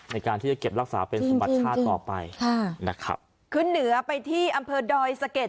ในการที่จะเก็บรักษาเป็นสมบัติชาติต่อไปค่ะนะครับขึ้นเหนือไปที่อำเภอดอยสะเก็ด